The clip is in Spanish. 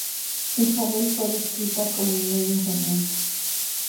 Isabel fue descrita como muy ingeniosa.